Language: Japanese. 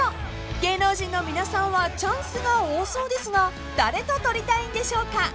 ［芸能人の皆さんはチャンスが多そうですが誰と撮りたいんでしょうか？］